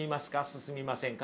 進みませんか？